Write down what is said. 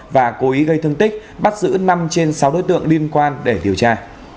và cố ý gây thương tích bắt giữ năm trên sáu đối tượng liên quan để điều tra